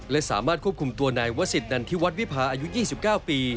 และสามารถควบคุมตัวนายวสิทธนันทิวัฒวิพาอายุ๒๙ปี